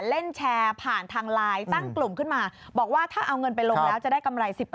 เล่นแชร์ผ่านทางไลน์ตั้งกลุ่มขึ้นมาบอกว่าถ้าเอาเงินไปลงแล้วจะได้กำไร๑๐